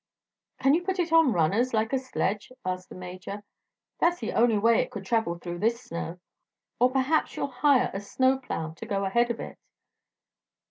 "Can you put it on runners, like a sledge?" asked the Major. "That's the only way it could travel through this snow. Or perhaps you'll hire a snowplow to go ahead of it."